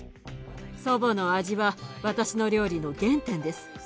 祖母の味は私の料理の原点です。